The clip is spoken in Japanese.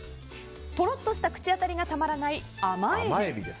とろっとした口当たりがたまらない、甘えび。